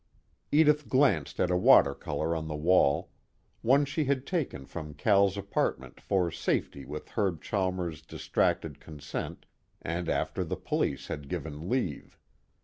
Edith glanced at a watercolor on the wall, one she had taken from Cal's apartment for safety with Herb Chalmers' distracted consent and after the police had given leave.